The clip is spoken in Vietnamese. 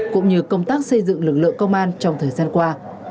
cũng như công tác xây dựng lực lượng công an trong thời gian qua